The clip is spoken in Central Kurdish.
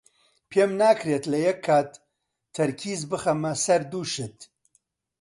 پێم ناکرێت لە یەک کات تەرکیز بخەمە سەر دوو شت.